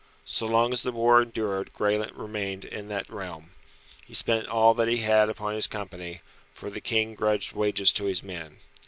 So long as the war endured Graelent remained in that realm. He spent all that he had upon his company, for the King grudged wages to his men.